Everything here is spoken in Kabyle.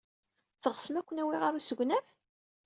Teɣsem ad ken-awiɣ ɣer usegnaf?